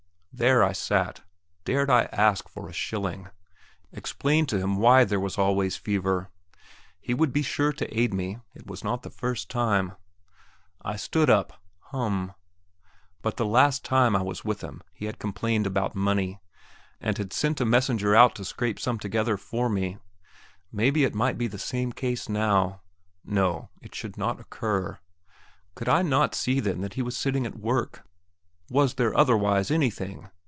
There I sat. Dared I ask for a shilling? explain to him why there was always fever? He would be sure to aid me; it was not the first time. I stood up. Hum! But the last time I was with him he had complained about money, and had sent a messenger out to scrape some together for me. Maybe it might be the same case now. No; it should not occur! Could I not see then that he was sitting at work? Was there otherwise anything?